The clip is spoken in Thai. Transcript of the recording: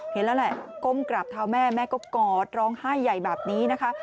เห็นแล้วแหละก้มกราบเท้าแม่แม่ก็กอดร้องไห้ใหญ่แบบนี้นะคะ